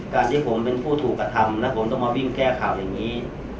ที่ผมเป็นผู้ถูกกระทำแล้วผมต้องมาวิ่งแก้ข่าวอย่างนี้